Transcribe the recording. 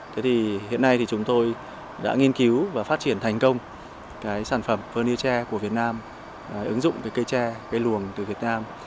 thế thì hiện nay thì chúng tôi đã nghiên cứu và phát triển thành công cái sản phẩm verni tre của việt nam ứng dụng cái cây tre cây luồng từ việt nam